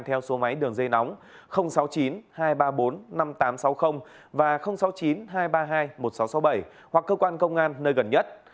theo số máy đường dây nóng sáu mươi chín hai trăm ba mươi bốn năm nghìn tám trăm sáu mươi và sáu mươi chín hai trăm ba mươi hai một nghìn sáu trăm sáu mươi bảy hoặc cơ quan công an nơi gần nhất